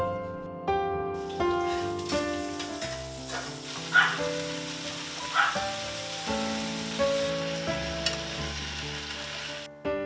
kualitas hidup oda sangat bergantung pada obat ini